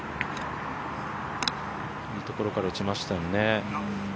いいところから打ちましたね。